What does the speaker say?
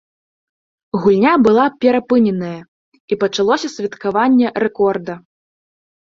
Гульня была перапыненая, і пачалося святкаванне рэкорда.